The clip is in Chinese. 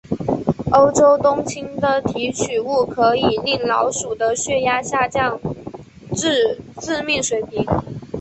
欧洲冬青的提取物可以令老鼠的血压下降至致命水平。